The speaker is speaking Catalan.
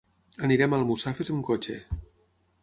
Anirem a Almussafes amb cotxe.